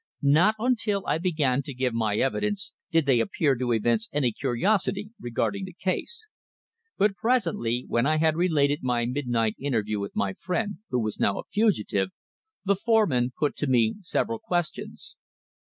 Not until I began to give my evidence did they appear to evince any curiosity regarding the case. But presently, when I had related my midnight interview with my friend, who was now a fugitive, the foreman put to me several questions.